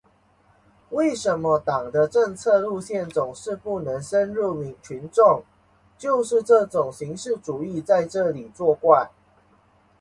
为什么党的策略路线总是不能深入群众，就是这种形式主义在那里作怪。